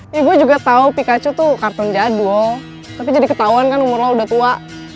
ya gue juga tau pikachu tuh kartun jadwal tapi jadi ketauan kan umur lo udah tua